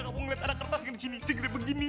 gak mau liat ada kertas yang sepeda gini